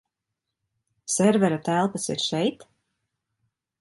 Servera telpas ir šeit?